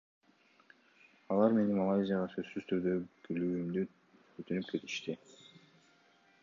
Алар мени Малайзияга сөзсүз түрдө келүүмдү өтүнүп кетишти.